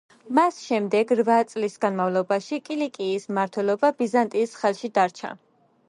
მას შემდეგ რვა წლის განმავლობაში კილიკიის მმართველობა ბიზანტიის ხელში დარჩა.